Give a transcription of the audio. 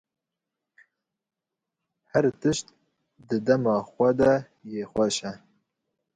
her tişt di dema xwe de yê xweş e